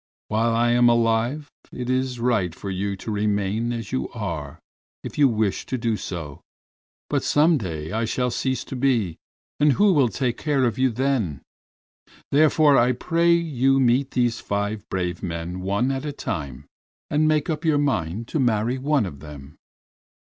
While I am alive it is right for you to remain as you are if you wish to do so, but some day I shall cease to be and who will take care of you then? Therefore I pray you to meet these five brave men one at a time and make up your mind to marry one of them!"